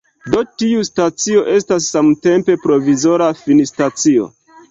Do, tiu stacio estas samtempe provizora finstacio.